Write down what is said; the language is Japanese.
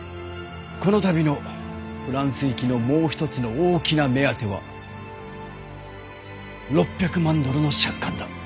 この度のフランス行きのもう一つの大きな目当ては６００万ドルの借款だ。